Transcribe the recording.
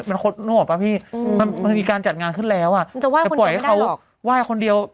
มันต้องไปดูแลมันมีการจัดงานขึ้นแล้วแต่ปล่อยให้เขาไหว้คนเดียว